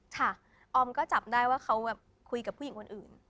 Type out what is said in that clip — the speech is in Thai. ออมก็จับได้ว่าเขาแบบคุยกับผู้หญิงคนอื่น